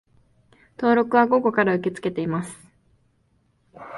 登録は午後から受け付けています